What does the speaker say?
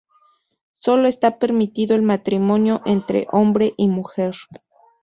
Sólo está permitido el matrimonio entre hombre y mujer.